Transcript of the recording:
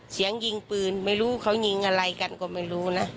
เสียงยิงปืนไม่รู้เขายิงอะไรกันก็ไม่รู้นะ